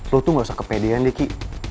lo tuh gak usah kepedean deh ki